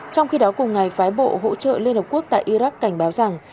trong khi đó cùng ngày phái bộ hỗ trợ liên hợp quốc tại iraq cảnh báo rằng